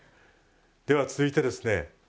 では続いてですね